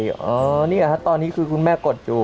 บาไล่อ๋อนี่ครับตอนนี้คือคุณแม่กดอยู่